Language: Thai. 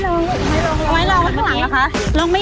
นั่นไงนั่นไง